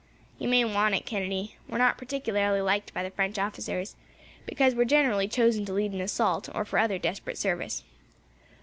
"You may want it, Kennedy. We are not particularly liked by the French officers, because we are generally chosen to lead an assault, or for other desperate service.